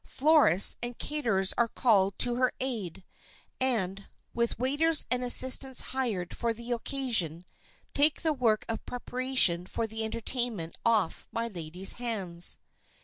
Florists and caterers are called to her aid, and, with waiters and assistants hired for the occasion, take the work of preparation for the entertainment off my lady's hands.